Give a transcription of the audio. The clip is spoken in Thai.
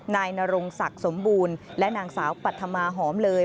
นายนรงศักดิ์สมบูรณ์และนางสาวปัธมาหอมเลย